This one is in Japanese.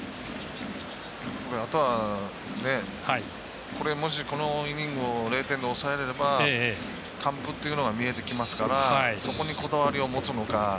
あとは、このイニングを０点で終われば完封っていうのが見えてきますからそこに、こだわりをもつのか。